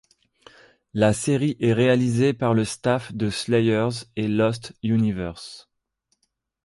La série est réalisée par le staff de Slayers et Lost Universe.